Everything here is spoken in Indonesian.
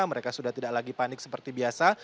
mereka sudah tidak lagi panik seperti biasa